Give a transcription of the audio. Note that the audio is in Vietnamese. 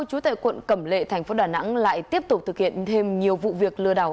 trú tại quận cẩm lệ tp đà nẵng lại tiếp tục thực hiện thêm nhiều vụ việc lừa đảo